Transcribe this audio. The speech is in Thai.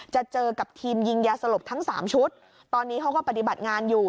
จะเจอกับทีมยิงยาสลบทั้งสามชุดตอนนี้เขาก็ปฏิบัติงานอยู่